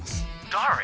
誰？